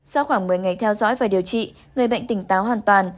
sau khoảng một mươi ngày theo dõi và điều trị người bệnh tỉnh táo hoàn toàn